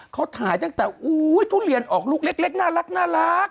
เขาถ่ายตั้งแต่ทุเรียนออกลูกเล็กน่ารัก